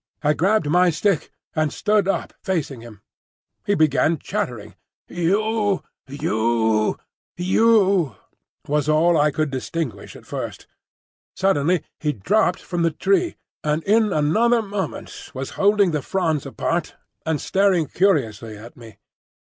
I gripped my stick, and stood up facing him. He began chattering. "You, you, you," was all I could distinguish at first. Suddenly he dropped from the tree, and in another moment was holding the fronds apart and staring curiously at me.